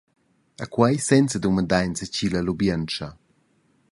E quei senza dumandar enzatgi la lubientscha.